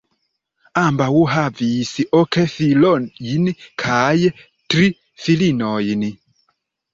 Ambaŭ havis ok filojn kaj tri filinojn.